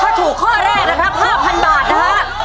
ถ้าถูกข้อแรกนะครับ๕๐๐บาทนะฮะ